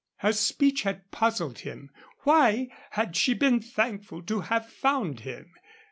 Her speech had puzzled him. Why had she been thankful to have found him?